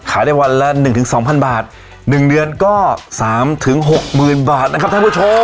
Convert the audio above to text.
ขายได้วันละหนึ่งถึงสองพันบาทหนึ่งเดือนก็สามถึงหกหมื่นบาทนะครับท่านผู้ชม